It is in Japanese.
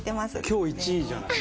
今日１位じゃない？